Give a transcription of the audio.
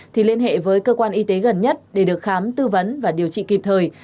thì liên hệ với cơ quan y tế gần nhất để được khám tư vấn và điều trị kịp thời